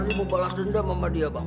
ardi mau balas dendam sama dia bang